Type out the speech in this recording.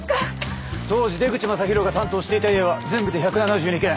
当時出口聖大が担当していた家は全部で１７２軒。